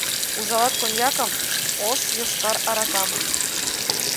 Ужалат коньякым, ош, йошкар аракам.